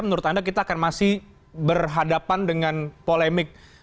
menurut anda kita akan masih berhadapan dengan polemik